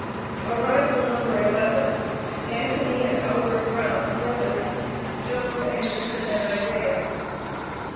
Arrival No. 11. Anthony and Albert Brown (brothers), Jones Anderson and Isaiah.